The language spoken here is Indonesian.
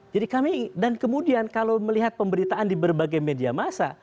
jadi kami dan kemudian kalau melihat pemberitaan di berbagai media masa